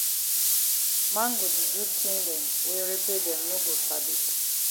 Man go di do tin dem wey repe dem no go sabi.